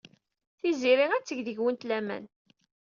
Tiziri ad teg deg-went laman.